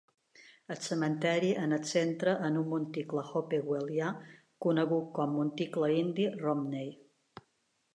El cementiri en el centre en un monticle Hopewellià conegut com monticle indi Romney.